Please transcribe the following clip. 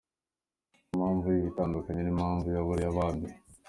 Ku mpamvu yihe? itandukanye n'impamvu ya bariya bandi.